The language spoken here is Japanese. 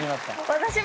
私も。